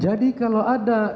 jadi kalau ada